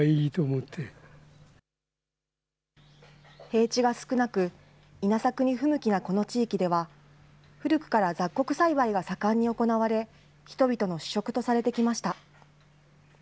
平地が少なく、稲作に不向きなこの地域では、古くから雑穀栽培が盛んに行われ、人々の主食とされてきました。